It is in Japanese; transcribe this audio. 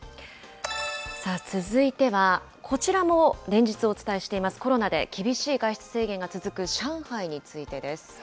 さあ、続いては、こちらも連日お伝えしています、コロナで厳しい外出制限が続く上海についてです。